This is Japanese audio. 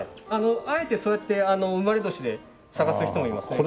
あえてそうやって生まれ年で探す人もいますね。